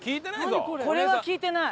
これは聞いてない。